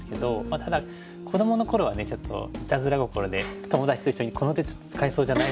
ただ子どもの頃はねちょっといたずら心で友達と一緒に「この手ちょっと使えそうじゃない？」